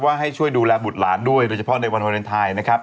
ให้ช่วยดูแลบุตรหลานด้วยโดยเฉพาะในวันวาเลนไทยนะครับ